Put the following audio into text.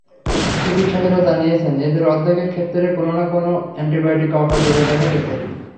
চিকিৎসকেরা জানিয়েছেন, এদের অর্ধেকের ক্ষেত্রে কোনো না-কোনো অ্যান্টিবায়োটিক অকার্যকর দেখা গেছে।